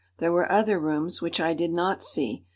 There were other rooms, which I did not see.